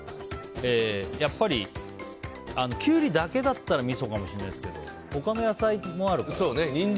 やっぱりキュウリだけだったらみそかもしれないですけど他の野菜もあるからね。